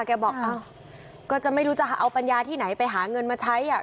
บอกอ้าวก็จะไม่รู้จะเอาปัญญาที่ไหนไปหาเงินมาใช้อ่ะ